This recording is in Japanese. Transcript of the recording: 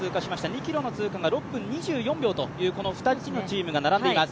２ｋｍの通過タイムが６分２４秒と２つのチームが並んでいます。